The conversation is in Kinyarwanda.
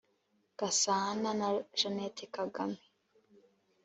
Gasana na Kagame Jeannette.